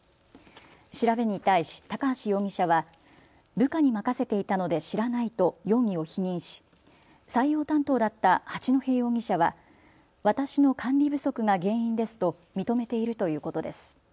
調べに対し、高橋容疑者は部下に任せていたので知らないと容疑を否認し採用担当だった八戸容疑者は私の管理不足が原因ですと認めているということです。